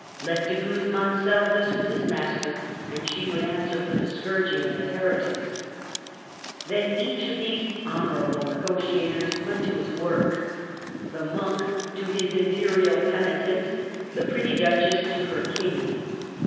Let De Guzman settle this with his master, and she would answer for the scourging of the heretics. Then each of these honorable negotiators went to his work, — the monk to his Imperial peni tent, the pretty Duchess to her King.